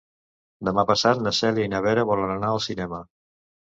Demà passat na Cèlia i na Vera volen anar al cinema.